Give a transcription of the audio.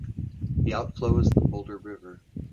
The outflow is the Boulder River.